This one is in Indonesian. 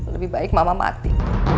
lebih baik mama mati